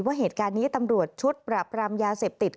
ว่าเหตุการณ์นี้ตำรวจชุดปรับรามยาเสพติด